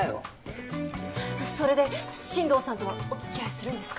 あっそれで新藤さんとはおつきあいするんですか？